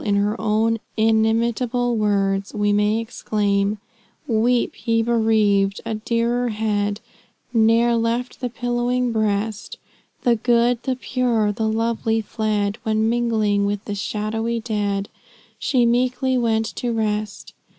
In her own inimitable words, we may exclaim: "Weep, ye bereaved! a dearer head Ne'er left the pillowing breast; The good, the pure, the lovely fled, When mingling with the shadowy dead She meekly went to rest.